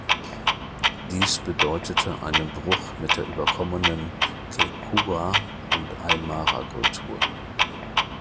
Dies bedeutete einen Bruch mit der überkommenen Quechua- und Aymara-Kultur.